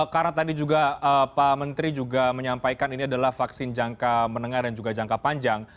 karena tadi juga pak menteri menyampaikan ini adalah vaksin jangka menengah dan juga jangka panjang